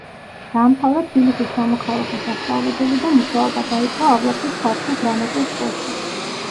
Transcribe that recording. დაამთავრა თბილისის სამოქალაქო სასწავლებელი და მუშაობა დაიწყო ავლაბრის ქართულ დრამატულ წრეში.